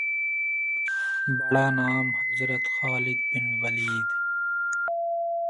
بڑا نام حضرت خالد بن ولید